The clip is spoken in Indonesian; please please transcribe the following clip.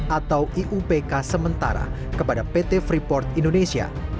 atau iupk sementara kepada pt freeport indonesia